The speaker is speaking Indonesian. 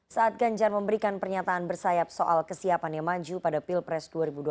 saat ganjar memberikan pernyataan bersayap soal kesiapannya maju pada pilpres dua ribu dua puluh